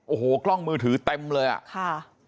โอ้โหกล้องมือถือเต็มเลยอ่ะค่ะ